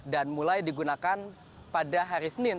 dan mulai digunakan pada hari senin